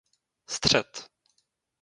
Střed.